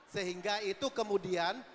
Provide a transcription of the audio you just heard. sehingga itu kemudian